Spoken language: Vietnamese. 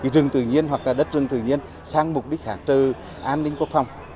rừng tự nhiên hoặc đất rừng tự nhiên sang mục đích hạ trừ an ninh quốc phòng